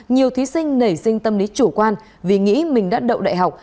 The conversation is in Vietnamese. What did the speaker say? nhiều thí sinh nảy sinh tâm lý chủ quan vì nghĩ mình đã đậu đại học